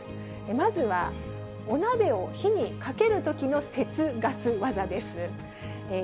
まずはお鍋を火にかけるときの節ガス技です。